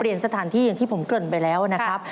เปลี่ยนสถานที่อย่างที่ผมเกิดไปแล้วนะครับ